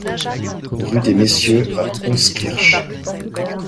Rue des Messieurs à Honskirch